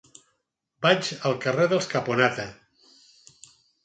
Vaig al carrer dels Caponata.